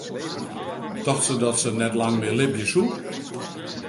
Tocht se dat se net lang mear libje soe?